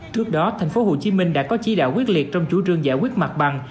trước đó thành phố hồ chí minh đã có chỉ đạo quyết liệt trong chủ trương giải quyết mặt bằng